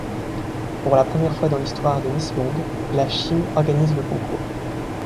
Pour la première fois dans l'histoire de Miss Monde, la Chine organise le concours.